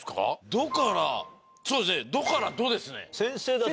ドからそうですねドからドですね。